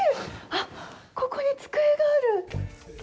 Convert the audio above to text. あっ、ここに机がある。